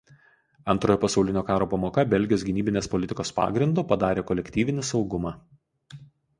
Antrojo pasaulinio karo pamoka Belgijos gynybinės politikos pagrindu padarė kolektyvinį saugumą.